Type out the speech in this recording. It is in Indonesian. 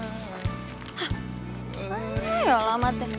hah mana ya alamaten gue